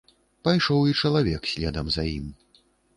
Пайшоў і чалавек следам за ім.